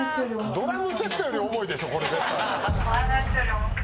ドラムセットより重いでしょこれ絶対。